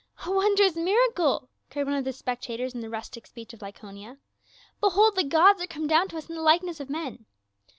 "A wondrous miracle!" cried one of the .specta tors in the rustic speech of Lycaonia, " Behold the gods are come down to us in the likeness of men